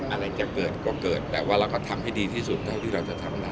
อะไรจะเกิดก็เกิดแต่ว่าเราก็ทำให้ดีที่สุดเท่าที่เราจะทำได้